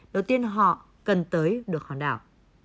đầu tiên họ cần tới được hòn đảo